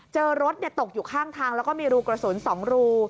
เจอรถตกอยู่ข้างทางแล้วก็มีรูกระสุน๒รู